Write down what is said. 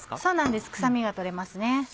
そうなんです臭みが取れます。